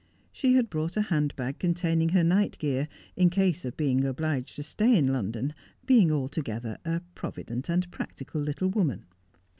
She had brought a hand bag containing her night gear, in case of being obliged to stay in London, being altogether a provident and practical little woman.